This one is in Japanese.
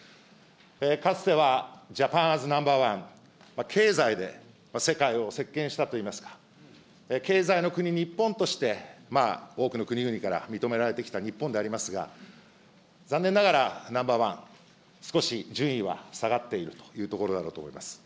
かつては、ジャパン・アズ・ナンバーワン、経済で世界を席けんしたといいますか、経済の国、日本として多くの国々から認められてきた日本でありますが、残念ながらナンバーワン、少し順位は下がっているというところだろうと思います。